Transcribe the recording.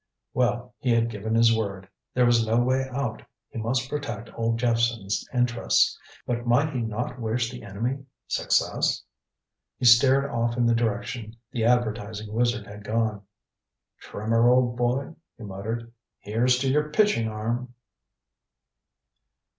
Well, he had given his word. There was no way out he must protect old Jephson's interests. But might he not wish the enemy success? He stared off in the direction the advertising wizard had gone. "Trimmer, old boy," he muttered, "here's to your pitching arm!"